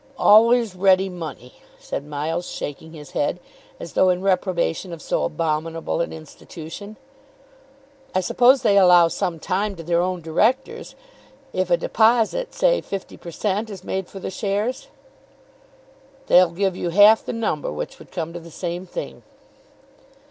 "Always ready money," said Miles shaking his head, as though in reprobation of so abominable an institution. "I suppose they allow some time to their own Directors, if a deposit, say 50 per cent., is made for the shares?" "They'll give you half the number, which would come to the same thing."